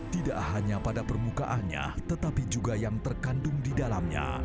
tidak hanya pada permukaannya tetapi juga yang terkandung di dalamnya